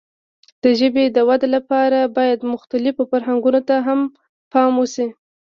د ژبې د وده لپاره باید مختلفو فرهنګونو ته هم پام وشي.